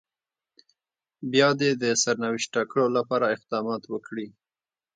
بيا دې د سرنوشت ټاکلو لپاره اقدامات وکړي.